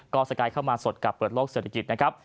ก็สกายเข้ามาสดกับเปิดโลกเศรษฐกิจนะครับ